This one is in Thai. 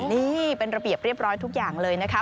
นี่เป็นระเบียบเรียบร้อยทุกอย่างเลยนะคะ